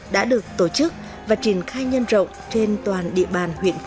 với phương châm kiên trì vận động tuyên truyền